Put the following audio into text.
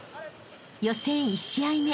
［予選１試合目］